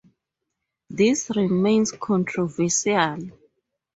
This remains controversial.